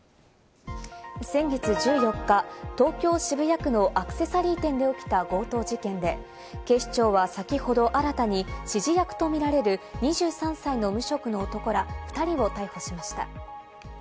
先月１４日、東京・渋谷区のアクセサリー店で起きた強盗事件で、警視庁は先ほど新たに指示役とみられる２３歳の無職の男ら２人を逮捕しました。